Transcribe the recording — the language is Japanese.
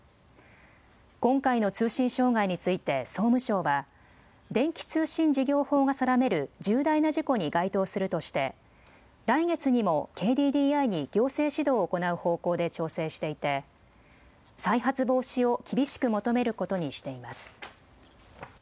今回の通信障害について総務省は電気通信事業法が定める重大な事故に該当するとして来月にもＫＤＤＩに行政指導を行う方向で調整していて再発防止を厳しく求めることにしています。